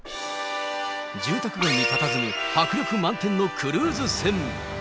住宅街にたたずむ迫力満点のクルーズ船。